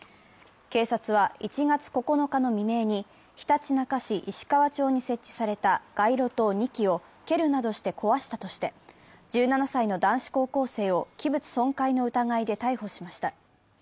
警察は１月９日の未明に、ひたちなか市石川町に設置された街路灯２基を蹴るなどして壊したとして１７歳の男子高校生を器物損壊の疑いで逮捕しました。